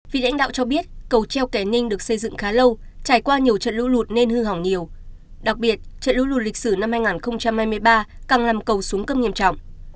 vị lãnh đạo cho biết cầu treo kẻ ninh được xây dựng khá lâu trải qua nhiều trận lũ lụt nên hư hỏng nhiều đặc biệt trận lũ lụt lịch sử năm hai nghìn hai mươi ba càng làm cầu súng cấp nghiêm trọng